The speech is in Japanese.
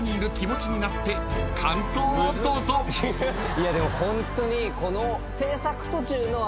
いやでもホントにこの。